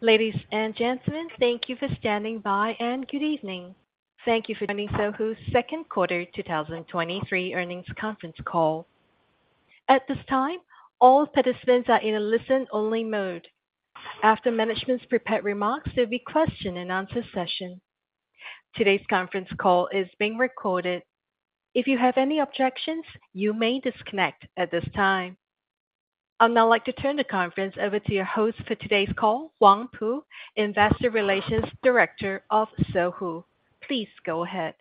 Ladies and gentlemen, thank you for standing by, and good evening. Thank you for joining Sohu's Second Quarter 2023 Earnings Conference Call. At this time, all participants are in a listen-only mode. After management's prepared remarks, there'll be Q&A session. Today's conference call is being recorded. If you have any objections, you may disconnect at this time. I'd now like to turn the conference over to your host for today's call, Huang Pu, Investor Relations Director of Sohu. Please go ahead.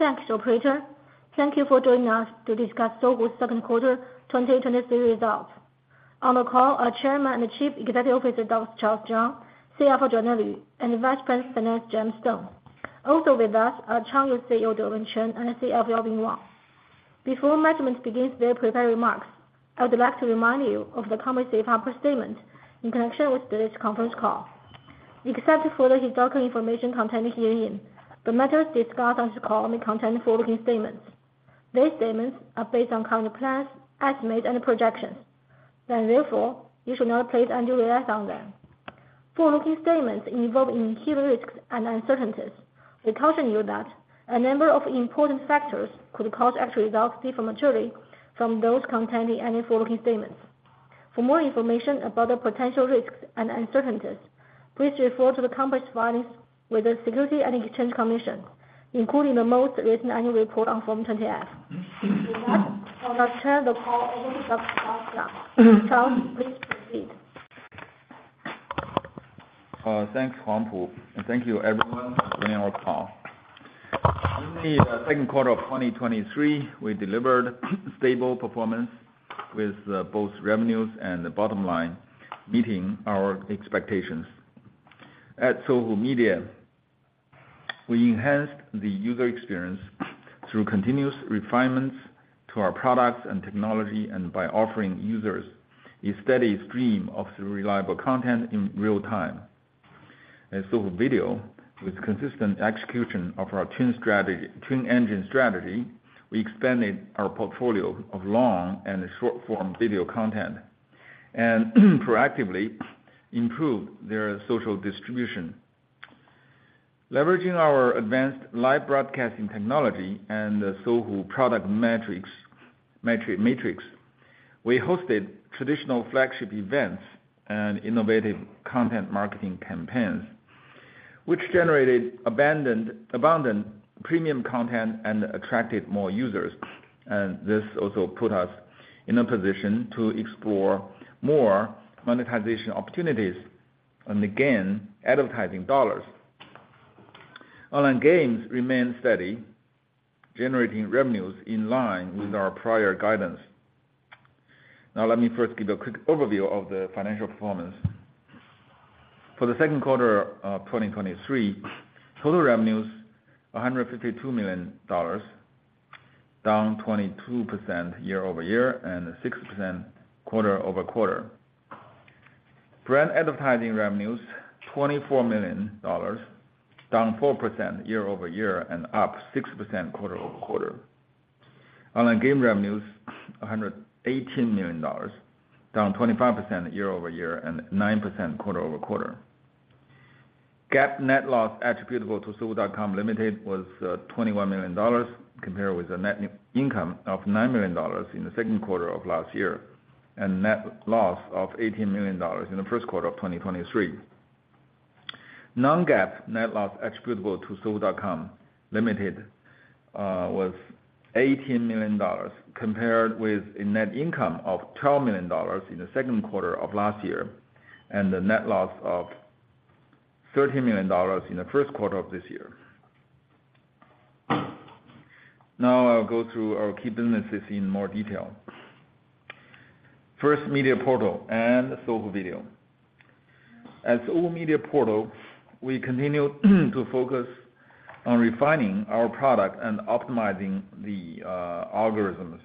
Thanks, operator. Thank you for joining us to discuss Sohu's second quarter 2023 results. On the call, our Chairman and Chief Executive Officer, Dr. Charles Zhang, CFO Joanna Lv, and Vice President James Deng. Also with us are Changyou CEO, Dewen Chen, and CFO Yaobin Wang. Before management begins their prepared remarks, I would like to remind you of the company's safe harbor statement in connection with today's conference call. Except for the historical information contained herein, the matters discussed on this call may contain forward-looking statements. These statements are based on current plans, estimates, and projections, and therefore, you should not place undue reliance on them. Forward-looking statements involve inherent risks and uncertainties. We caution you that a number of important factors could cause actual results to differ materially from those contained in any forward-looking statements. For more information about the potential risks and uncertainties, please refer to the company's filings with the Securities and Exchange Commission, including the most recent annual report on Form 20-F. With that, I will now turn the call over to Charles Zhang. Charles, please proceed. Thanks, Huang Pu, and thank you, everyone, joining our call. In the second quarter of 2023, we delivered stable performance with both revenues and the bottom line, meeting our expectations. At Sohu Media, we enhanced the user experience through continuous refinements to our products and technology, and by offering users a steady stream of reliable content in real time. At Sohu Video, with consistent execution of our Twin Engine strategy, we expanded our portfolio of long and short-form video content, and proactively improved their social distribution. Leveraging our advanced live broadcasting technology and the Sohu product metrics, metric- matrix, we hosted traditional flagship events and innovative content marketing campaigns, which generated abandoned, abundant premium content and attracted more users. This also put us in a position to explore more monetization opportunities, and again, advertising dollars. Online games remain steady, generating revenues in line with our prior guidance. Let me first give a quick overview of the financial performance. For the second quarter of 2023, total revenues, $152 million, down 22% year-over-year, and 6% quarter-over-quarter. Brand advertising revenues, $24 million, down 4% year-over-year, and up 6% quarter-over-quarter. Online game revenues, $118 million, down 25% year-over-year, and 9% quarter-over-quarter. GAAP net loss attributable to Sohu.com Limited was $21 million, compared with the net income of $9 million in the second quarter of last year, and net loss of $18 million in the first quarter of 2023. Non-GAAP net loss attributable to Sohu.com Limited was $18 million, compared with a net income of $12 million in the second quarter of last year, and the net loss of $13 million in the first quarter of this year. Now, I'll go through our key businesses in more detail. First, Media Portal and Sohu Video. At Sohu Media Portal, we continue to focus on refining our product and optimizing the algorithms.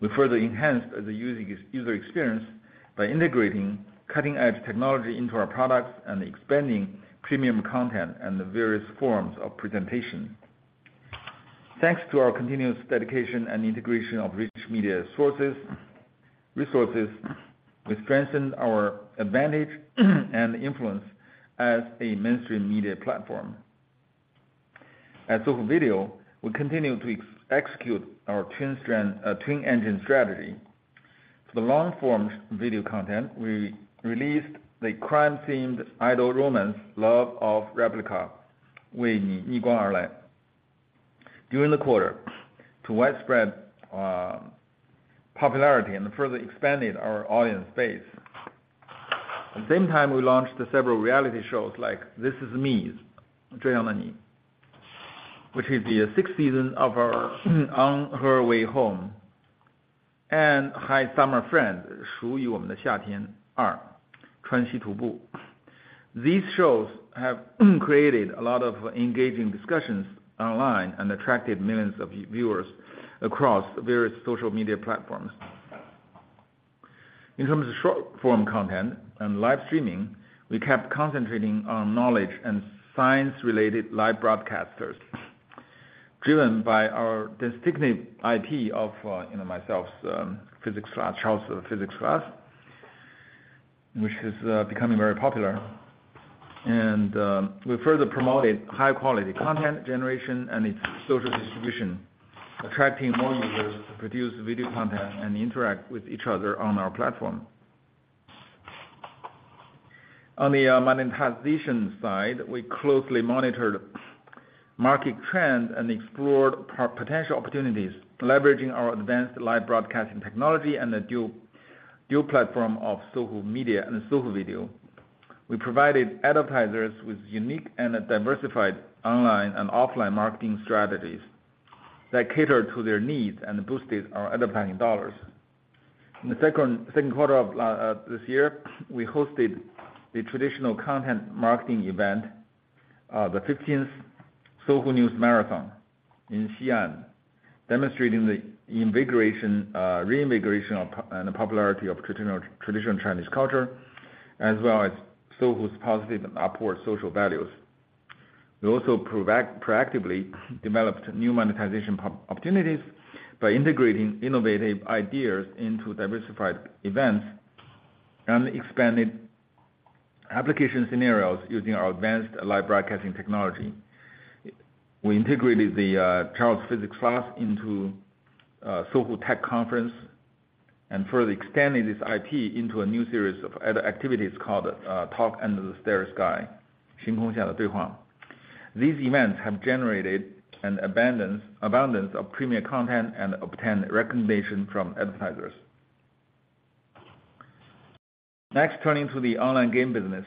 We further enhanced the user experience by integrating cutting-edge technology into our products and expanding premium content and the various forms of presentation. Thanks to our continuous dedication and integration of rich media resources, we strengthened our advantage and influence as a mainstream media platform. At Sohu Video, we continue to execute our Twin Engine strategy. For the long form video content, we released the crime-themed idol romance, Love of Replica, during the quarter, to widespread popularity and further expanded our audience base. At the same time, we launched several reality shows like This Is Me, which is the sixth season of our On Her Way Home, and Hi, Summer Friend. These shows have created a lot of engaging discussions online and attracted millions of viewers across various social media platforms. In terms of short-form content and live streaming, we kept concentrating on knowledge and science-related live broadcasters, driven by our distinctive IP of, you know, myself, Physics Class, Charles Physics Class, which is becoming very popular. We further promoted high quality content generation and its social distribution, attracting more users to produce video content and interact with each other on our platform. On the monetization side, we closely monitored market trends and explored potential opportunities, leveraging our advanced live broadcasting technology and the dual platform of Sohu Media and Sohu Video. We provided advertisers with unique and diversified online and offline marketing strategies that cater to their needs and boosted our advertising dollars. In the second quarter of this year, we hosted the traditional content marketing event, the 15th Sohu News Marathon in Xi'an, demonstrating the invigoration, reinvigoration of, and the popularity of traditional Chinese culture, as well as Sohu's positive and upward social values. We also proactively developed new monetization opportunities by integrating innovative ideas into diversified events and expanded application scenarios using our advanced live broadcasting technology. We integrated the Charles Physics Class into Sohu Tech Conference, and further expanded this IP into a new series of other activities called, Talk Under the Starry Sky, 星空下的对话. These events have generated an abundance of premier content and obtained recognition from advertisers. Turning to the online game business.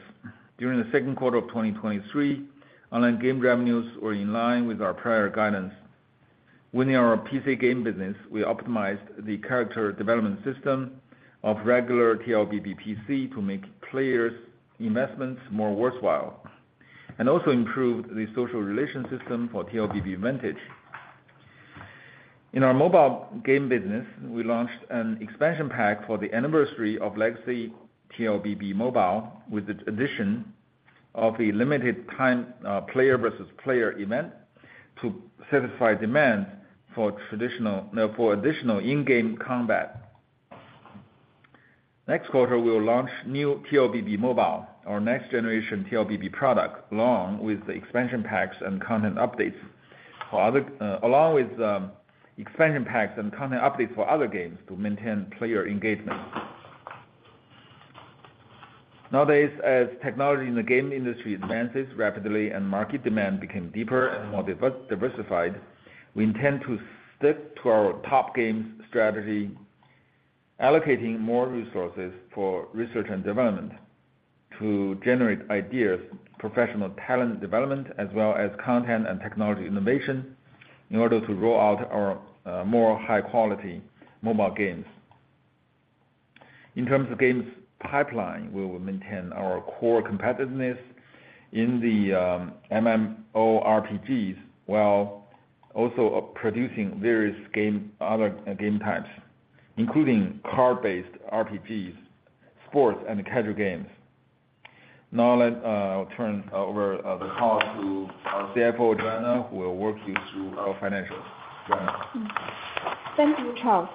During the second quarter of 2023, online game revenues were in line with our prior guidance. Within our PC game business, we optimized the character development system of regular TLBB PC to make players' investments more worthwhile, and also improved the social relation system for TLBB Vintage. In our mobile game business, we launched an expansion pack for the anniversary of Legacy TLBB Mobile, with the addition of a limited time, player versus player event, to satisfy demand for additional in-game combat. Next quarter, we'll launch new TLBB Mobile, our next generation TLBB product, along with the expansion packs and content updates for other. Along with expansion packs and content updates for other games to maintain player engagement. Nowadays, as technology in the gaming industry advances rapidly and market demand become deeper and more diversified, we intend to stick to our top games strategy, allocating more resources for research and development to generate ideas, professional talent development, as well as content and technology innovation, in order to roll out our more high-quality mobile games. In terms of games pipeline, we will maintain our core competitiveness in the MMORPGs, while also producing various game, other game types, including card-based RPGs, sports, and casual games. Now, I'll turn over the call to our CFO, Joanna, who will walk you through our financials. Joanna? Thank you, Charles.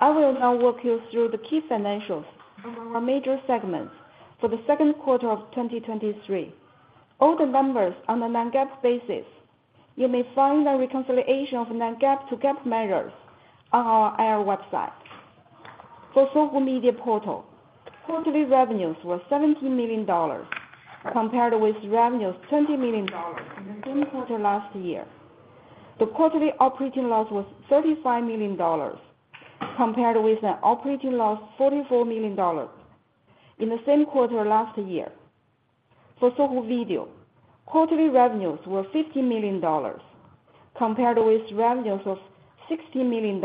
I will now walk you through the key financials for our major segments for the second quarter of 2023. All the numbers are on a non-GAAP basis. You may find a reconciliation of non-GAAP to GAAP measures on our IR website. For Sohu Media Portal, quarterly revenues were $17 million, compared with revenues $20 million in the same quarter last year. The quarterly operating loss was $35 million, compared with an operating loss $44 million in the same quarter last year. For Sohu Video, quarterly revenues were $15 million, compared with revenues of $16 million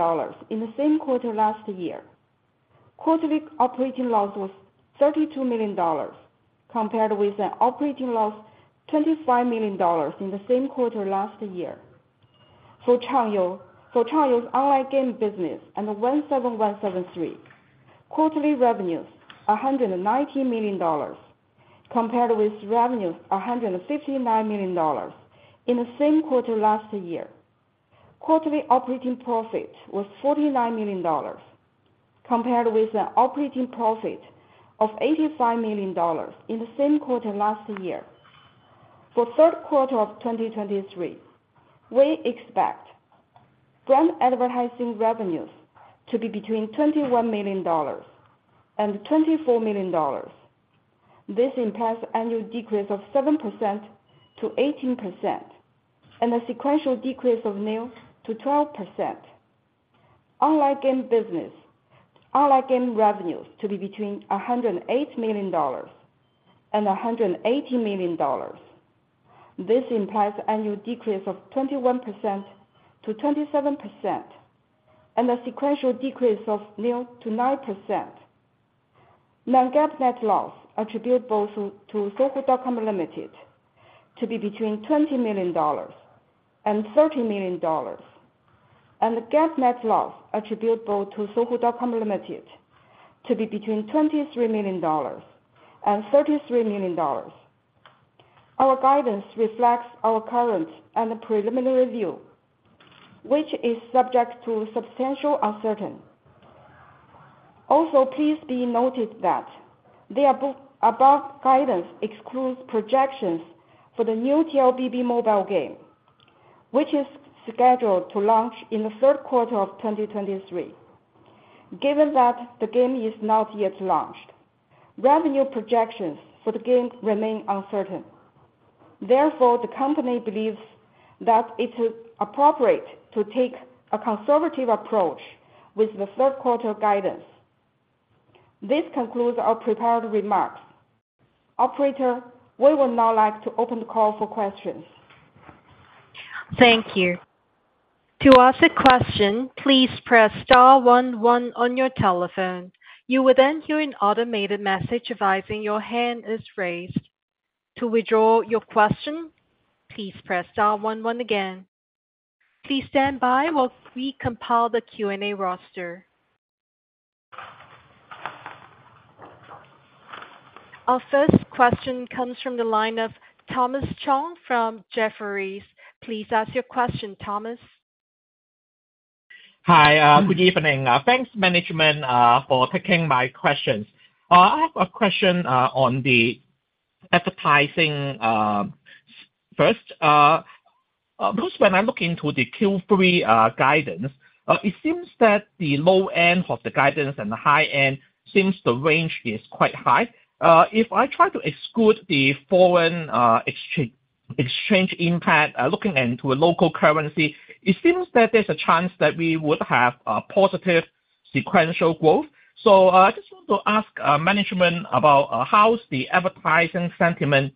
in the same quarter last year. Quarterly operating loss was $32 million, compared with an operating loss $25 million in the same quarter last year. For Changyou, for Changyou's online game business and the 17173, quarterly revenues, $119 million, compared with revenues $159 million in the same quarter last year. Quarterly operating profit was $49 million, compared with an operating profit of $85 million in the same quarter last year. For third quarter of 2023, we expect from advertising revenues to be between $21 million and $24 million. This implies annual decrease of 7%-18%, and a sequential decrease of nil to 12%. Online game business, online game revenues to be between $108 million and $180 million. This implies annual decrease of 21%-27%, and a sequential decrease of nil to 9%. Non-GAAP net loss attributable to Sohu.com Limited, to be between $20 million-$30 million. and the GAAP net loss attributable to Sohu.com Limited to be between $23 million-$33 million. Our guidance reflects our current and the preliminary view, which is subject to substantial uncertain. Also, please be noted that the above, above guidance excludes projections for the new TLBB Mobile game, which is scheduled to launch in the third quarter of 2023. Given that the game is not yet launched, revenue projections for the game remain uncertain. Therefore, the company believes that it's appropriate to take a conservative approach with the third quarter guidance. This concludes our prepared remarks. Operator, we would now like to open the call for questions. Thank you. To ask a question, please press star one one on your telephone. You will then hear an automated message advising your hand is raised. To withdraw your question, please press star one one again. Please stand by while we compile the Q&A roster. Our first question comes from the line of Thomas Chong from Jefferies. Please ask your question, Thomas. Hi, good evening. Thanks management for taking my questions. I have a question on the advertising, first, because when I look into the Q3 guidance, it seems that the low end of the guidance and the high end seems the range is quite high. If I try to exclude the foreign exchange, exchange impact, looking into a local currency, it seems that there's a chance that we would have a positive sequential growth. I just want to ask management about how's the advertising sentiment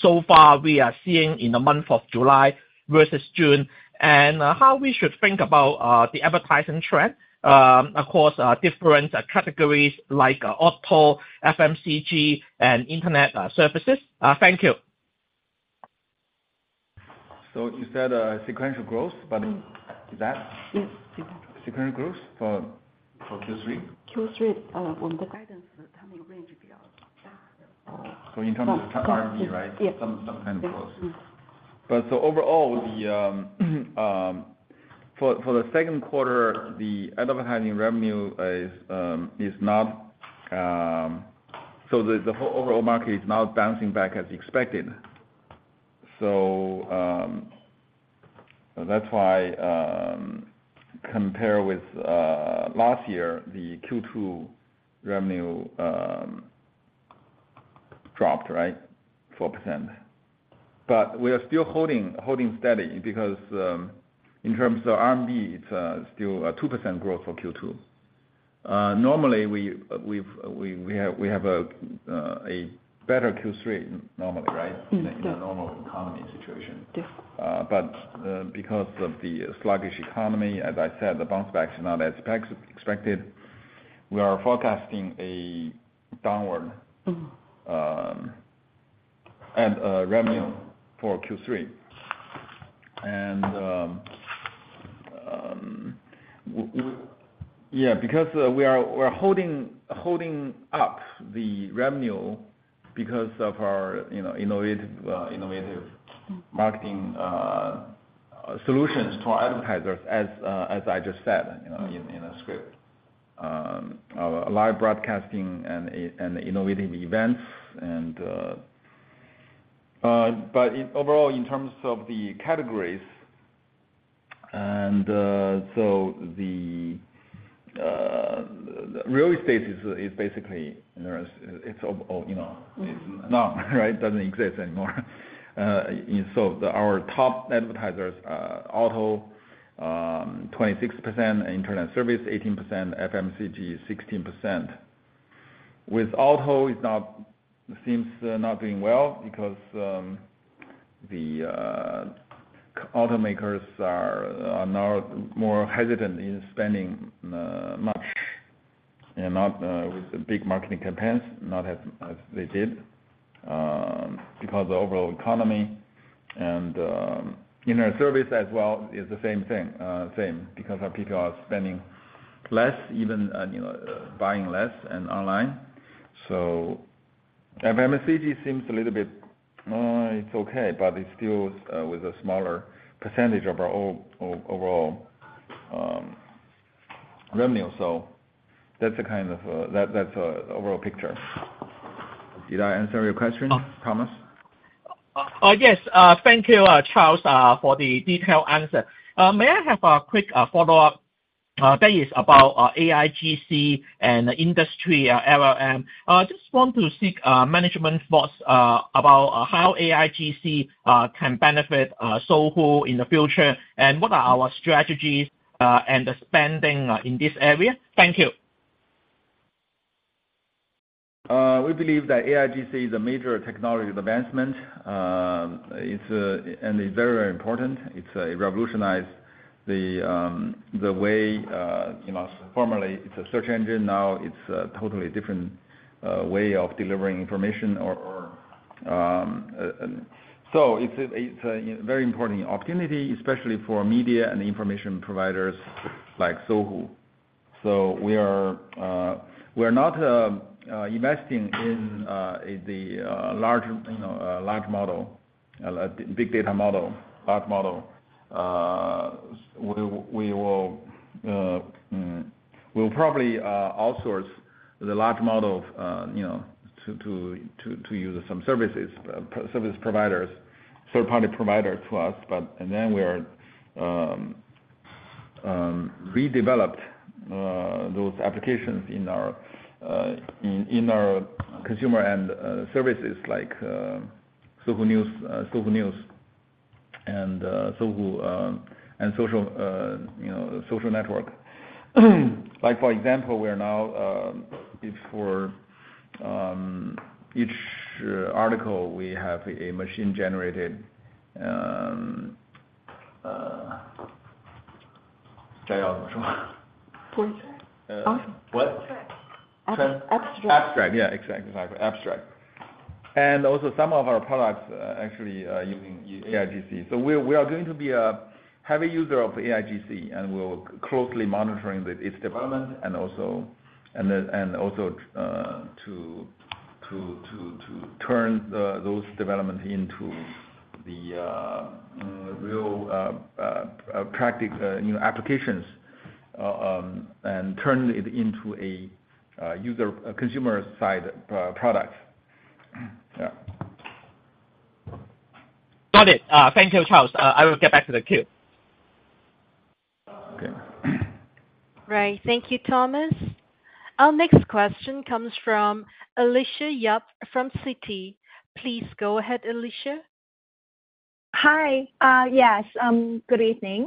so far we are seeing in the month of July versus June, and how we should think about the advertising trend across different categories like auto, FMCG and internet services? Thank you. You said, sequential growth, but is that? Yes. Sequential growth for, for Q3? Q3, when the guidance, coming range beyond that. In terms of renminbi, right? Yes. Some, some kind of growth. Yes. Overall, for the second quarter, the advertising revenue is not. The overall market is not bouncing back as expected. That's why, compare with last year, the Q2 revenue dropped, right? 4%. We are still holding, holding steady because in terms of RMB, it's still a 2% growth for Q2. Normally, we have a better Q3 normally, right? Yes. In a normal economy situation. Yes. Because of the sluggish economy, as I said, the bounce back is not as expected. We are forecasting a downward. And, revenue for Q3. Yeah, because, we are, we're holding, holding up the revenue because of our, you know, innovative, innovative marketing, solutions to our advertisers, as as I just said, you know in a script. live broadcasting and innovative events. Overall, in terms of the categories, so the real estate is basically, you know, it's, it's, you know, it's none, right? Doesn't exist anymore. So our top advertisers, auto, 26%, internet service 18%, FMCG 16%. With auto, it's not, it seems, not doing well because the automakers are now more hesitant in spending much and not with the big marketing campaigns, not as they did, because the overall economy. Internet service as well, is the same thing. Same because our people are spending less even, and, you know, buying less and online. FMCG seems a little bit, it's okay, but it's still with a smaller percentage of our overall revenue. That's the kind of, that, that's overall picture. Did I answer your question? Thomas? Yes, thank you, Charles, for the detailed answer. May I have a quick follow-up, that is about AIGC and industry LLM? I just want to seek management thoughts about how AIGC can benefit Sohu in the future? What are our strategies and the spending in this area? Thank you. We believe that AIGC is a major technology advancement. It's very, very important. It's revolutionized the way, you know, formerly, it's a search engine, now it's a totally different way of delivering information or, or. It's a very important opportunity, especially for media and information providers like Sohu. We are, we're not investing in the large, you know, large model, big data model, large model. We will, we'll probably outsource the large model, you know, to, to, to use some services, service providers, third-party provider to us. Then we are redeveloped those applications in our in our consumer and services like Sohu News, Sohu News and Sohu and social, you know, social network. Like, for example, we are now before each article, we have a machine-generated- Point. What? Abstract. Abstract. Yeah, exactly, abstract. Also some of our products, actually are using AIGC. We are going to be a heavy user of AIGC, and we're closely monitoring its development to turn those developments into the real practical, you know, applications and turn it into a user, a consumer-side product. Yeah. Got it. Thank you, Charles. I will get back to the queue. Okay. Right. Thank you, Thomas. Our next question comes from Alicia Yap from Citi. Please go ahead, Alicia. Hi. Yes, good evening,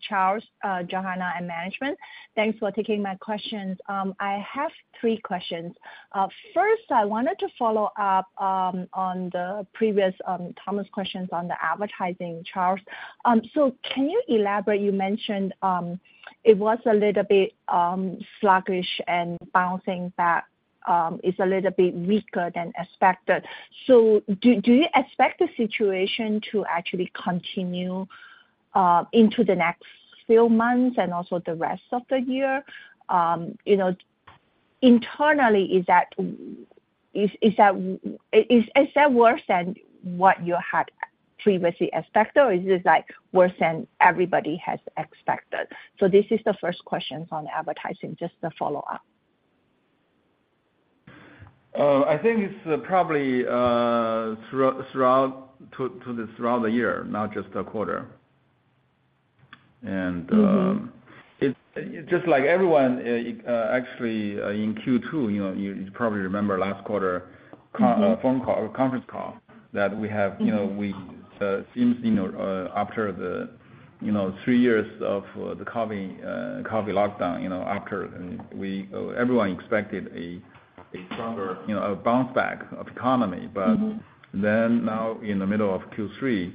Charles, Joanna, and management. Thanks for taking my questions. I have three questions. First, I wanted to follow up on the previous Thomas questions on the advertising, Charles. Can you elaborate, you mentioned it was a little bit sluggish and bouncing back is a little bit weaker than expected. Do, do you expect the situation to actually continue into the next few months and also the rest of the year? You know, internally, is that, is, is that, is, is that worse than what you had previously expected, or is this, like, worse than everybody has expected? This is the first question on advertising, just to follow up. I think it's probably, throughout, throughout, to, to, throughout the year, not just a quarter. Mm-hmm. It's just like everyone, actually, in Q2, you know, you, you probably remember last quarter. Phone call, or conference call, that we have, you know, we, since, you know, after the, you know, three years of, the COVID, COVID lockdown, you know, after, and we, everyone expected a, a stronger, you know, a bounce back of economy. Then now in the middle of Q3,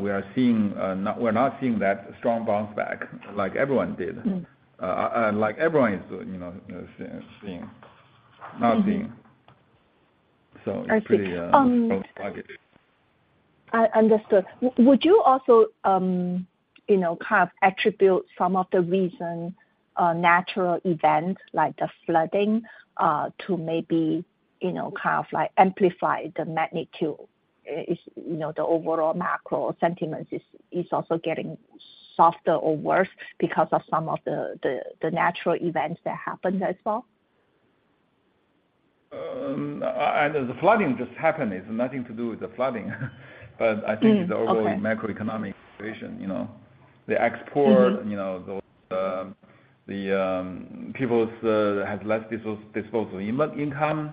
we are seeing, we're not seeing that strong bounce back like everyone did. Like everyone is, you know, seeing, not seeing. It's pretty. I see. I understood. Would you also, you know, kind of attribute some of the reason, natural event, like the flooding, to maybe, you know, kind of like amplify the magnitude? Is, you know, the overall macro sentiment is also getting softer or worse because of some of the natural events that happened as well? The flooding just happened. It's nothing to do with the flooding. Okay. I think it's the overall macroeconomic situation, you know. The export you know, those, the, people's have less disposal income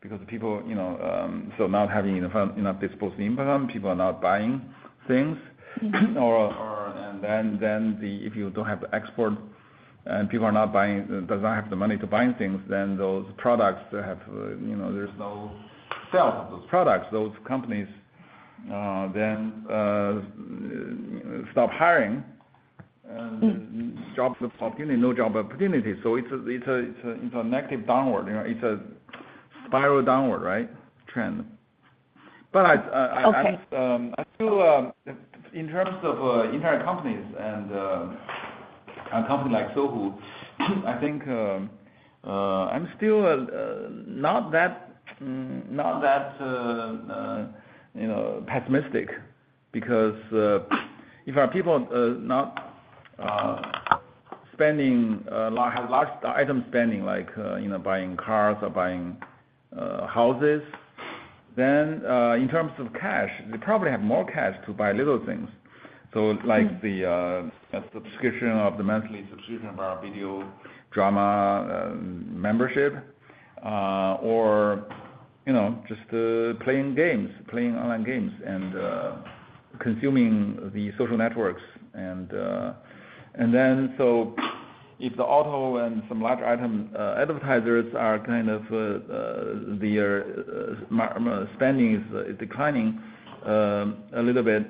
because the people, you know, so not having enough, enough disposable income, people are not buying things. If you don't have export and people are not buying, does not have the money to buying things, then those products have, you know, there's no sale of those products. Those companies, then, stop hiring. Jobs opportunity, no job opportunity. It's a, it's a, it's a negative downward, you know, it's a spiral downward, right? Trend. Okay. I still, in terms of internet companies and a company like Sohu, I think, I'm still not that, not that, you know, pessimistic. If our people not spending, have large item spending, like, you know, buying cars or buying, houses, then, in terms of cash, they probably have more cash to buy little things. Like the subscription of the monthly subscription of our video drama membership, or, you know, just playing games, playing online games and consuming the social networks. If the auto and some large item advertisers are kind of their spending is declining a little bit.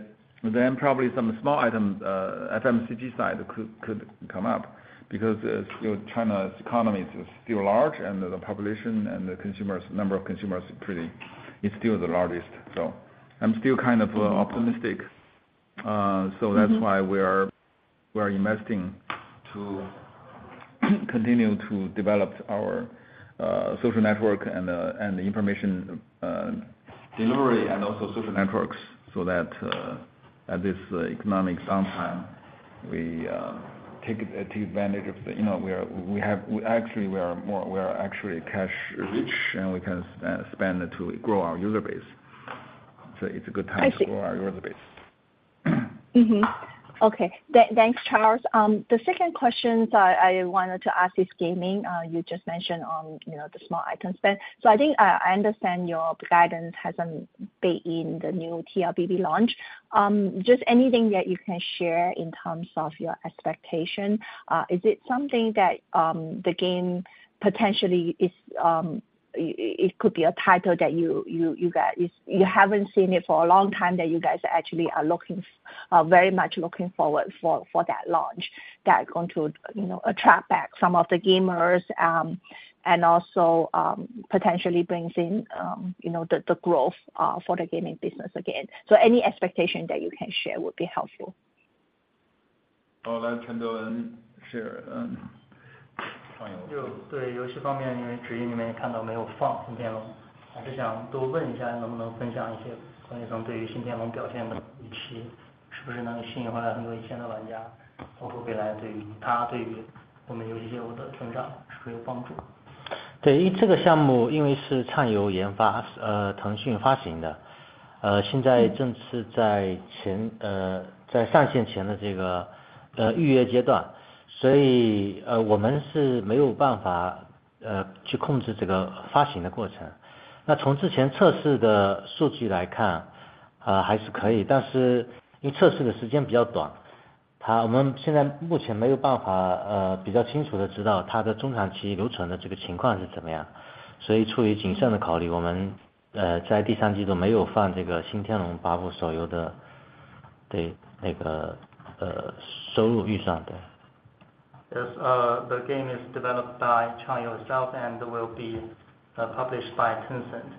Probably some small items, FMCG side could, could come up, because, you know, China's economy is still large, and the population and the consumers, number of consumers is still the largest. I'm still kind of optimistic. That's why we are, we are investing to continue to develop our social network and the, and the information delivery, and also social networks, so that at this economic downtime, we take it, take advantage of the, you know, we actually we are more, we are actually cash rich, and we can spend it to grow our user base. It's a good time. I see. To grow our user base. Okay. Thanks, Charles. The second question I, I wanted to ask is gaming. You just mentioned on, you know, the small item spend. I think, I, I understand your guidance hasn't been in the new TLBB launch. Just anything that you can share in terms of your expectation? Is it something that the game potentially is, it, it could be a title that you, you, you guys You haven't seen it for a long time, that you guys actually are looking very much looking forward for, for that launch, that going to, you know, attract back some of the gamers, and also potentially brings in, you know, the, the growth for the gaming business again? Any expectation that you can share would be helpful. Oh, let Dewen Chen share. Yes, the game is developed by Changyou itself and will be published by Tencent.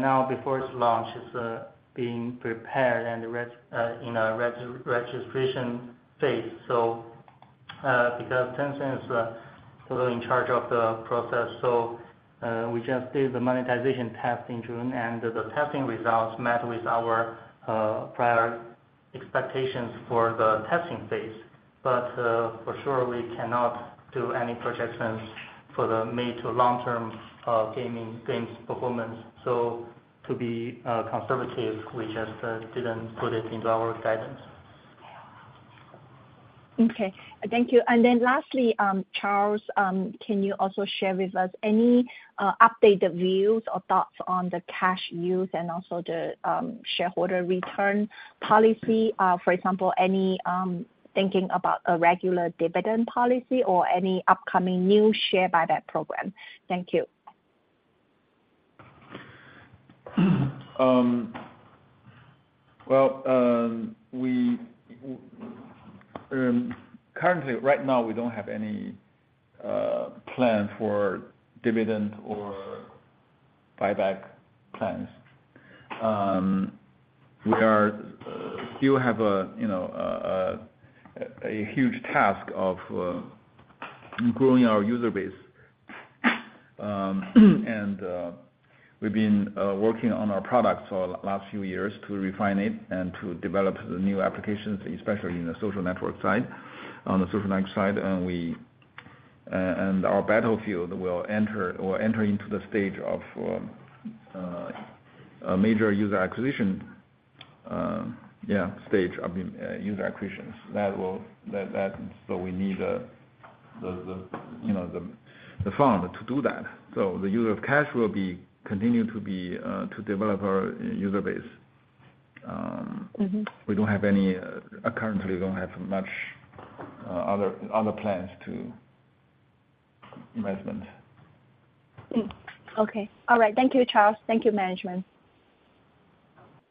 Now before its launch, it's being prepared in a registration phase. Because Tencent is in charge of the process. We just did the monetization test in June, and the testing results met with our prior expectations for the testing phase. For sure, we cannot do any projections for the mid to long-term gaming, games performance. To be conservative, we just didn't put it into our guidance. Okay. Thank you. Lastly, Charles, can you also share with us any updated views or thoughts on the cash use and also the shareholder return policy? For example, any thinking about a regular dividend policy or any upcoming new share buyback program? Thank you. Well, we currently, right now, we don't have any plan for dividend or buyback plans. We are still have a, you know, a huge task of growing our user base. We've been working on our products for the last few years to refine it and to develop the new applications, especially in the social network side, on the social network side. Our battlefield will enter or enter into the stage of a major user acquisition, yeah, stage of user acquisitions. That will, that, that, we need the, the, you know, the, the fund to do that. The use of cash will be continued to be to develop our user base. We don't have any, currently don't have much, other, other plans to investment. Okay. All right. Thank you, Charles. Thank you, management.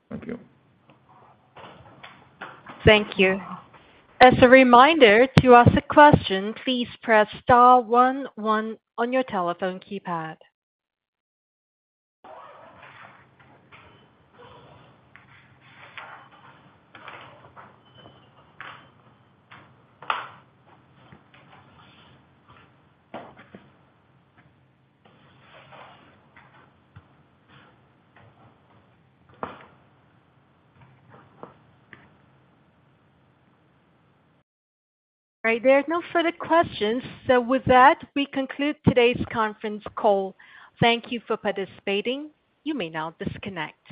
Thank you. Thank you. As a reminder, to ask a question, please press star one, one on your telephone keypad. All right, there are no further questions. With that, we conclude today's conference call. Thank you for participating. You may now disconnect.